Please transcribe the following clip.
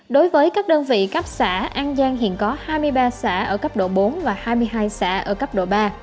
đối với các đơn vị cấp xã an giang hiện có hai mươi ba xã ở cấp độ bốn và hai mươi hai xã ở cấp độ ba